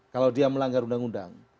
kalau dia melanggar undang undang